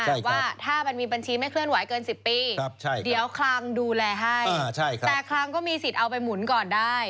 แต่ว่าถ้ามันมีบัญชีไม่เคลื่อนไหวเกิน๑๐ปีเดี๋ยวคลังดูแลให้แต่คลังก็มีสิทธิ์เอาไปหมุนก่อนได้